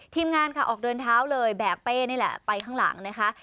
ทีมงานค่ะออกเดินเท้าเลยแบกเป้นี่แหละไปข้างหลังนะคะ